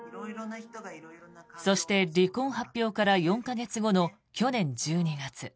そして、離婚発表から４か月後の去年１２月。